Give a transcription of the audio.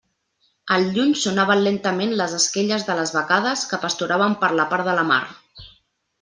Al lluny sonaven lentament les esquelles de les vacades que pasturaven per la part de la mar.